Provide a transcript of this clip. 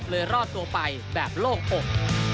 รอดตัวไปแบบโล่งอก